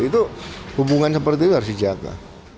itu hubungan seperti itu harus dijaga